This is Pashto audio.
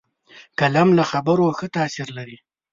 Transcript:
قلم له خبرو ښه تاثیر لري